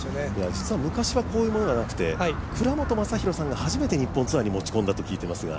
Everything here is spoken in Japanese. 実は昔はこういうものがなくて倉本昌弘さんが初めて日本ツアーに持ち込んだときいています。